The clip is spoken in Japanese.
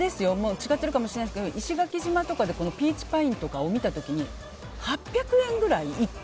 違ってるかもしれないですけど石垣島とかでピーチパインとかを見た時に８００円くらい、１個。